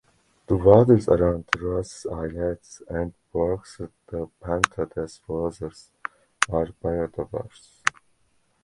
The waters around the Rosais Islets and Baixa da Ponta dos Rosais are biodiverse.